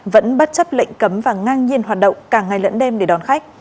vẫn bắt chấp lệnh cấm và ngang nhiên hoạt động càng ngày lẫn đêm để đón khách